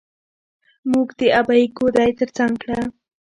موږ د ابۍ ګودى تر څنګ کړه.